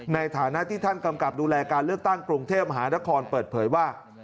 ในฐานะที่ท่านกำกับดูแลการเลือกตั้งกรุงเทพมหานครเปิดเผยว่า